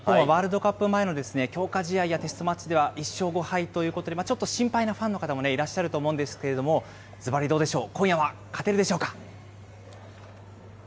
日本はワールドカップ前の、強化試合やテストマッチでは１勝５敗ということで、ちょっと心配なファンの方もいらっしゃると思うんですけれども、ずばり、どうでしょう。